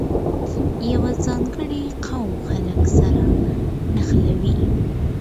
یوه ځانګړې قوه خلګ سره نښلوي.